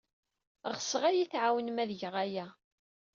Ɣseɣ ad iyi-tɛawnem ad geɣ aya.